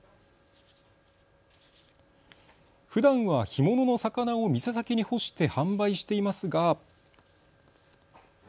ふだんは干物の魚を店先に干して販売していますが。